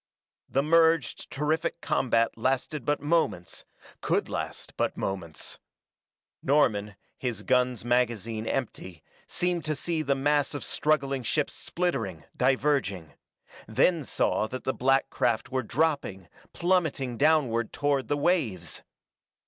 The merged, terrific combat lasted but moments; could last but moments. Norman, his gun's magazine empty, seemed to see the mass of struggling ships splittering, diverging; then saw that the black craft were dropping, plummeting downward toward the waves!